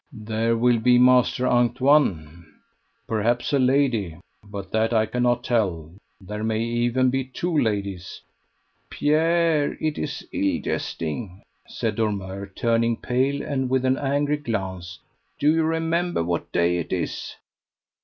"There will be Master Antoine, perhaps a lady, but that I cannot tell; there may even be two ladies." "Pierre, it is ill jesting," said Dormeur, turning pale and with an angry glance; "do you remember what day it is?"